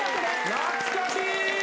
懐かしい！